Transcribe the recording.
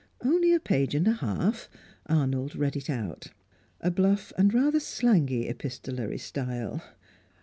Only a page and a half; Arnold read it out. A bluff and rather slangy epistolary style.